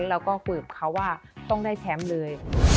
แล้วก็คุยกับเขาว่าต้องได้แชมป์เลย